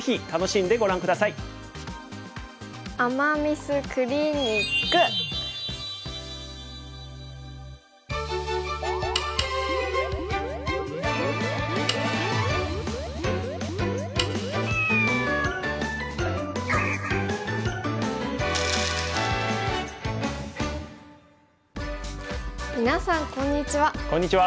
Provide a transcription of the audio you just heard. みなさんこんにちは。